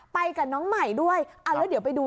ไปกับน้องใหม่ด้วยเอาแล้วเดี๋ยวไปดู